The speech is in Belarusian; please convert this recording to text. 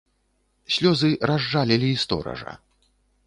Слёзы разжалілі і стоража.